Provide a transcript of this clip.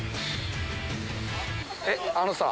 えっあのさ。